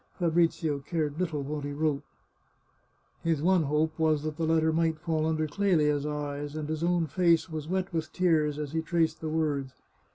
Fabrizio cared little what he wrote. His one hope was that the letter might fall under Clelia's eyes, and his own face was wet with tears as he traced the words.